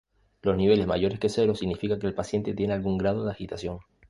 Los niveles mayores que cero significa que el paciente tiene algún grado de agitación.